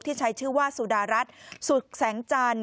ใช้ชื่อว่าสุดารัฐสุขแสงจันทร์